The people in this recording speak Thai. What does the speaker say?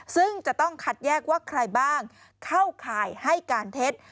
ซึ่งจะต้องคัดแยกว่าใครบ้างเข้าข่ายให้การเท็จ